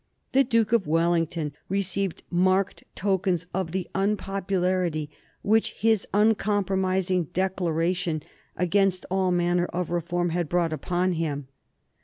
The Duke of Wellington received marked tokens of the unpopularity which his uncompromising declaration against all manner of reform had brought upon him.